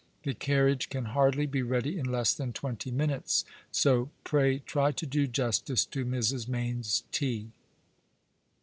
" The carriage can hardly be ready in less than twenty minutes, so pray try to do justice to Mrs. Mayne's tea."